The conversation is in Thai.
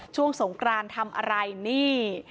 ช่วงสงกรานทำอะไรนี่